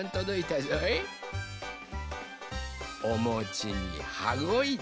おもちにはごいた。